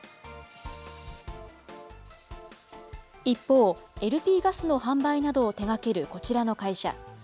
一方、ＬＰガスの販売などを手がけるこちらの会社。